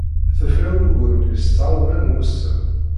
Tefra ugur-nni s tɣawla n wusem.